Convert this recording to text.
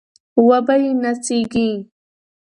وبه يې نڅېږي